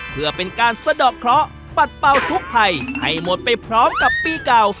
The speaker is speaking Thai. เพื่อเป็นการสะดอกเคราะห์ปัดเป่าทุกภัยให้หมดไปพร้อมกับปีเก่า